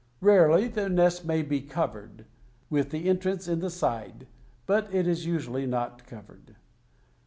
Rarely the nest may be covered, with the entrance in the side, but it is usually not covered.